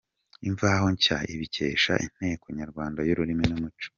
Imvaho Nshya ibikesha Inteko Nyarwanda y’Ururimi n’Umuco.